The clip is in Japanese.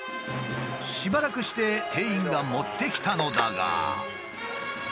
しばらくして店員が持ってきたのだが。